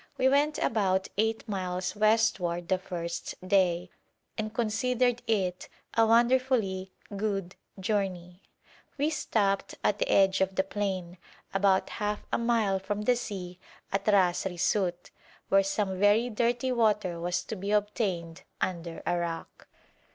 We went about eight miles westward the first day and considered it a wonderfully good journey. We stopped at the edge of the plain, about half a mile from the sea at Ras Risout, where some very dirty water was to be obtained under a rock.